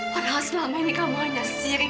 padahal selama ini kamu hanya sendiri